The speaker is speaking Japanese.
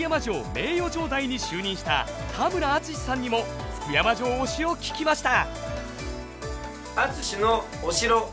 名誉城代に就任した田村淳さんにも福山城推しを聞きました！